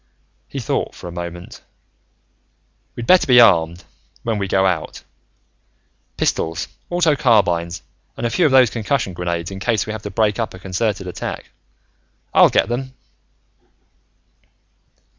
He thought for a moment. "We'd better be armed, when we go out. Pistols, auto carbines, and a few of those concussion grenades in case we have to break up a concerted attack. I'll get them."